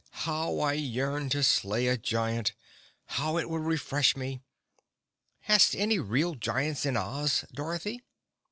"How I yearn to slay a giant! How it would refresh me! Hast any real giants in Oz, Dorothy?"